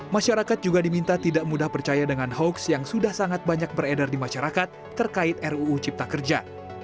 masyarakat juga diminta tidak mudah percaya dengan hoax yang sudah sangat banyak beredar di masyarakat terkait ruu cipta kerja